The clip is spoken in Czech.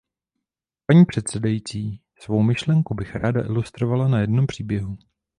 Paní předsedající, svou myšlenku bych ráda ilustrovala na jednom příběhu.